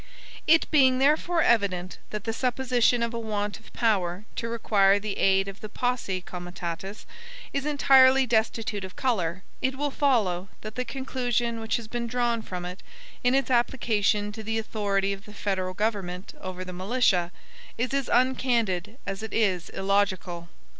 It being therefore evident that the supposition of a want of power to require the aid of the POSSE COMITATUS is entirely destitute of color, it will follow, that the conclusion which has been drawn from it, in its application to the authority of the federal government over the militia, is as uncandid as it is illogical.